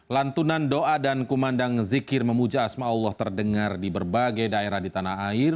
lantunan doa dan kumandang zikir memuja asma allah terdengar di berbagai daerah di tanah air